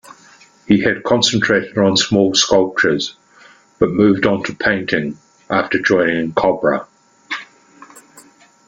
He had concentrated on small sculptures, but moved into painting after joining CoBrA.